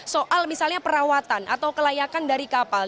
soal misalnya perawatan atau kelayakan dari kapal